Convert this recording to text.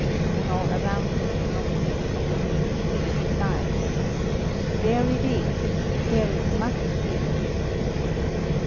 when all around him is nought but commingling sea and sky. "There it is! There it must be!"